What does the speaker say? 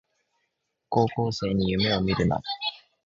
高校生に夢をみるな